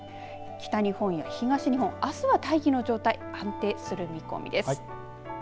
北日本や東日本あすは大気の状態安定する見込みです。